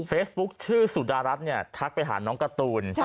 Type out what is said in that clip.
เฟซบุ๊กชื่อสุฆารัฐเนี่ยทักไปหาน้องกระตูล